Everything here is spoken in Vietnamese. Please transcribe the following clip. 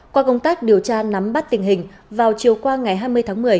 qua công tác điều tra nắm bắt tình hình vào chiều qua ngày hai mươi tháng một mươi